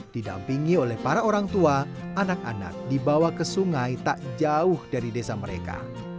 didampingi oleh para orang tua anak anak dibawa ke sungai tak jauh dari desa mereka